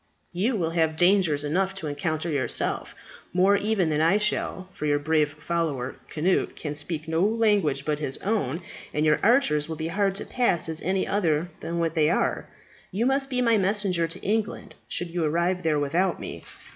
You will have dangers enough to encounter yourself, more even than I shall, for your brave follower, Cnut, can speak no language but his own, and your archers will be hard to pass as any other than what they are. You must be my messenger to England, should you arrive there without me.